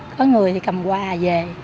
có người thì cầm quà về